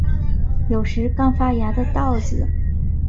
有时刚发芽的稻子